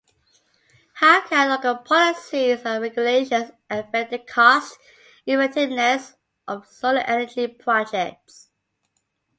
How can local policies and regulations affect the cost-effectiveness of solar energy projects?